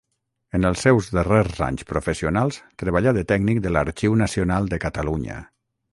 En els seus darrers anys professionals treballà de tècnic de l'Arxiu Nacional de Catalunya.